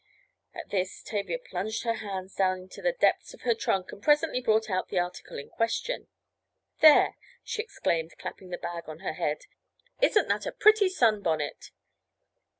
At this Tavia plunged her hands down into the depths of her trunk and presently brought up the article in question. "There!" she exclaimed, clapping the bag on her head. "Isn't that a pretty sunbonnet?"